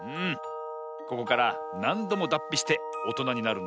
ここからなんどもだっぴしておとなになるんだ。